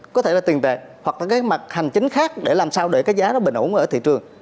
có thể là tiền tệ hoặc là cái mặt hành chính khác để làm sao để cái giá nó bình ổn ở thị trường